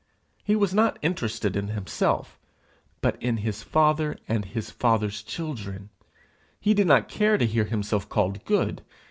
He was not interested in himself, but in his Father and his Father's children. He did not care to hear himself called good.